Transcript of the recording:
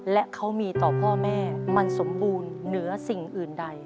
และเขามีต่อพ่อแม่มันสมบูรณ์เหนือสิ่งอื่นใด